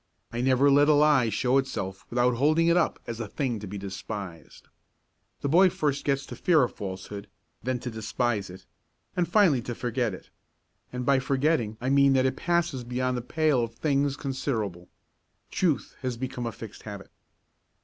I never let a lie show itself without holding it up as a thing to be despised. The boy first gets to fear a falsehood, then to despise it and finally to forget it. And by forgetting I mean that it passes beyond the pale of things considerable. Truth has become a fixed habit.